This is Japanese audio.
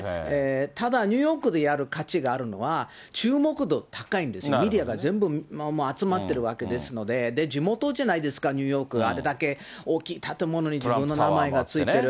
ただ、ニューヨークでやる価値があるのは、注目度高いんですよ、メディアが全部集まってるわけですので、で、地元じゃないですか、ニューヨーク、あれだけ大きい建物に自分の名前が付いてる。